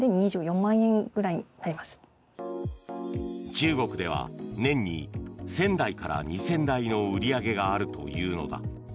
中国では年に１０００台から２０００台の売り上げがあるというのだ。